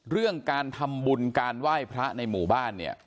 เรื่องการทำบุญการไหว้พระในหมู่บ้านเนี่ย